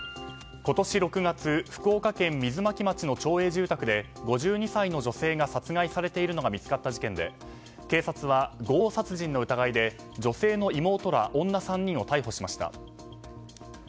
今年６月、福岡県水巻町の町営住宅で５２歳の女性が殺害されているのが見つかった事件で警察は強盗殺人の疑いで女性の妹ら女３人を逮捕しました。